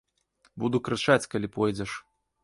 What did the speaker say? Буду крычаць, калі пойдзеш.